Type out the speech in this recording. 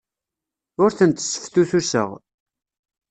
Ur tent-sseftutuseɣ.